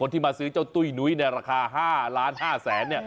คนที่มาซื้อเจ้าตุ้ยหนุ้ยในราคา๕ล้าน๕แสน